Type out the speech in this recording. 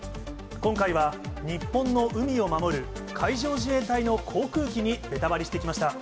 今回は日本の海を守る、海上自衛隊の航空機にベタバリしてきました。